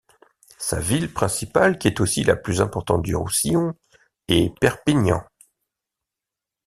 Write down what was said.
Sa ville principale, qui est aussi la plus importante du Roussillon, est Perpignan.